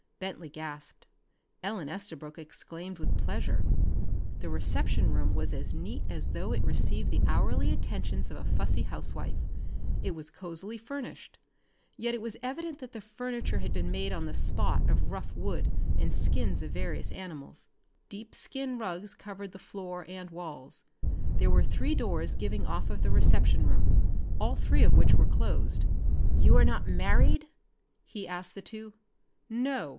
Bentley gasped. Ellen Estabrook exclaimed with pleasure. The reception room was as neat as though it received the hourly attentions of a fussy housewife. It was cozily furnished, yet it was evident that the furniture had been made on the spot of rough wood and skins of various animals. Deep skin rugs covered the floor and walls. There were three doors giving off of the reception room, all three of which were closed. "You are not married?" he asked the two. "No!"